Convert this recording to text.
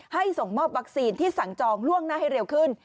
ส่งมอบวัคซีนที่สั่งจองล่วงหน้าให้เร็วขึ้น